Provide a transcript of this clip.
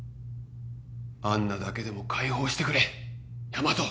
アンナだけでも解放してくれ大和。